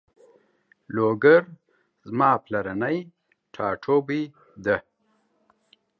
لوګر زما پلرنی ټاټوبی ده